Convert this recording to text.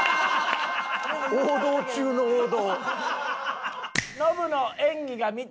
王道中の王道。